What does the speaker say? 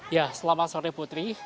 ya selamat sore putri